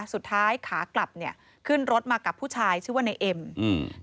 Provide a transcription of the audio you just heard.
สุดท้ายขากลับขึ้นรถมากับผู้ชายของพวกเขาชื่อว่าแนิ้ม